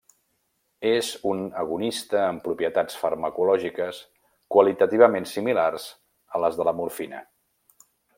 És un agonista amb propietats farmacològiques qualitativament similars a les de la morfina.